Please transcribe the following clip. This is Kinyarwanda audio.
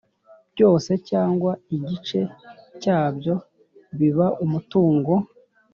byose cyangwa igice cyabyo biba umutungo